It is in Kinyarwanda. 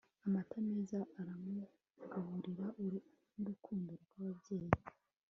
amata meza aramugaburira, nurukundo rwababyeyi